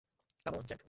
Come on, Jack!